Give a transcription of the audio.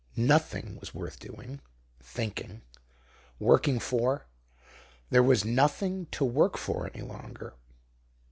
Nothing was worth doing, thinking, working for. There was nothing to work for any longer!